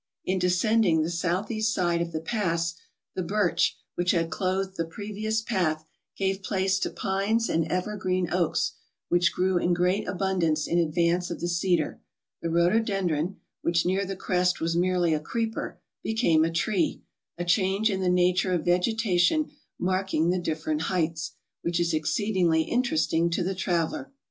In descending the south east side of the pass, the birch which had clothed the previous path gave place to pines and ever green oaks, wliich grew in great abundance in advance of the cedar ; the rhododendron, which near tlie crest was merely a creeper, became a tree, a change in the nature of vegetation marking the different heights, which is exceedingly interesting to the traveller.